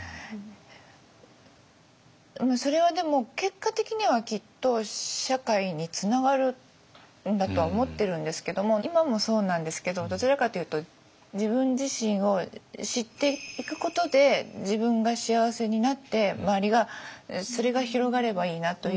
それはでも結果的にはきっと社会につながるんだとは思ってるんですけども今もそうなんですけどどちらかというと自分自身を知っていくことで自分が幸せになって周りがそれが広がればいいなという。